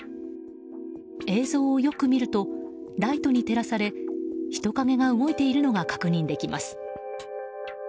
映像をよく見るとライトに照らされ人影が動いているのが確認できます。